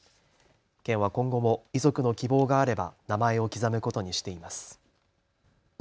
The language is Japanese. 県は今後も遺族の希望があれば名前を刻むことにしています。